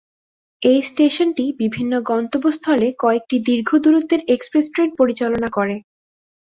এই স্টেশনটি বিভিন্ন গন্তব্যস্থলে কয়েকটি দীর্ঘ দূরত্বের এক্সপ্রেস ট্রেন পরিচালনা করে।